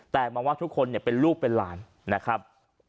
แต่มองว่าทุกคนเป็นลูกเป็นหลานนะครับ